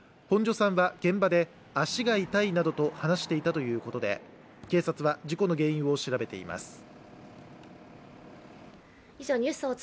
本庶さんは現場で足が痛いなどと話していたということで警察は事故の原因を調べています。